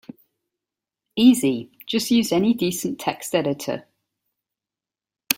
Easy, just use any decent text editor.